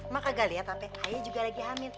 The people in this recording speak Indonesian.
mak kagak lihat ape ayah juga lagi hamil